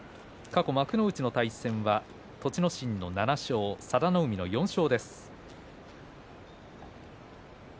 過去幕内での対戦は栃ノ心の７勝、佐田の海の４勝。